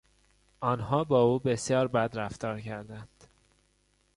آنها با او بسیار بد رفتار کردند.